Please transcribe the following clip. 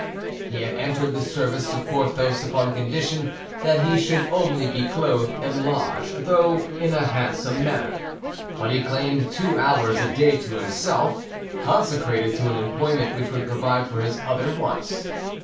He had entered the service of Porthos upon condition that he should only be clothed and lodged, though in a handsome manner; but he claimed two hours a day to himself, consecrated to an employment which would provide for his other wants.